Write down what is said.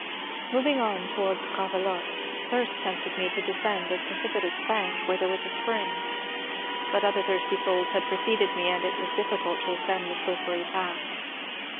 Moving on towards Gravelotte, thirst tempted me to descend a precipitous bank where there was a spring ; but other thirsty souls had preceded me and it was difficult to ascend the slip pery path.